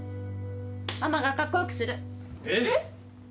ママがカッコよくするえっ？